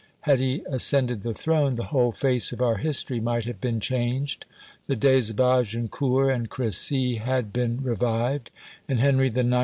Had he ascended the throne, the whole face of our history might have been changed; the days of Agincourt and Cressy had been revived, and Henry IX.